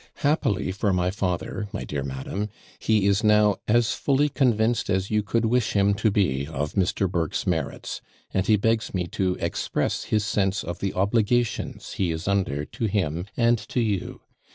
Happily for my father, my dear madam, he is now as fully convinced as you could wish him to be of Mr. Burke's merits; and he begs me to express his sense of the obligations he is under to him and to you.